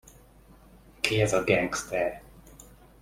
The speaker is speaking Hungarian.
Ki ez a gengszter?